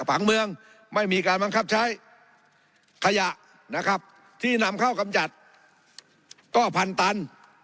ผังเมืองไม่มีการบังคับใช้ขยะนะครับที่นำเข้ากำจัดก็พันตัน